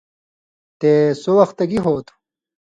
تے (سو وختہ گی ہو تُھو؟)